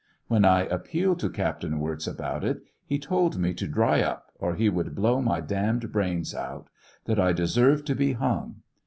When I ap pealed to Captain Wirz about it, he told me to dry up or he would blow my damiied brains out, that I deserved to be bung.